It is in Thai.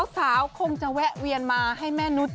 สาวคงจะแวะเวียนมาให้แม่นุษย